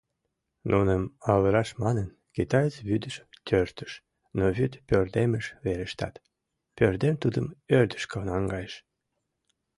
Нуным авыраш манын, китаец вӱдыш тӧрштыш, но вӱд пӧрдемыш верештат, пӧрдем тудым ӧрдыжкӧ наҥгайыш.